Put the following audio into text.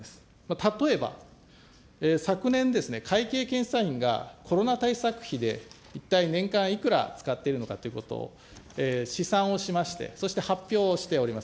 例えば昨年、会計検査院が、コロナ対策費で、一体年間いくら使ってるのかっていうのを試算をしまして、そして発表しております。